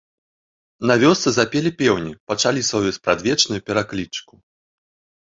На вёсцы запелі пеўні, пачалі сваю спрадвечную пераклічку.